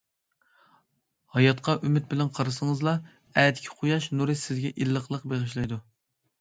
ھاياتقا ئۈمىد بىلەن قارىسىڭىزلا، ئەتىكى قۇياش نۇرى سىزگە ئىللىقلىق بېغىشلايدۇ.